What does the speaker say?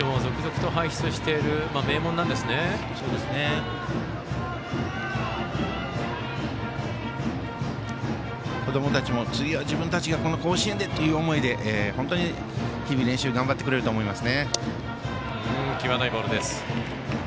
プロ野球選手も続々と輩出している子どもたちも次は自分たちがこの甲子園でという思いで本当に、日々練習を頑張ってくれると思います。